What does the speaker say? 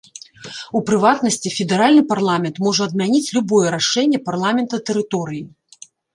У прыватнасці, федэральны парламент можа адмяніць любое рашэнне парламента тэрыторыі.